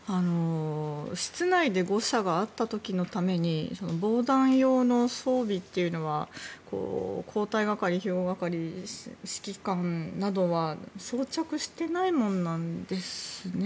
室内で誤射があった時のために防弾用の装備というのは交代係、指揮官などは装着してないものなんですね。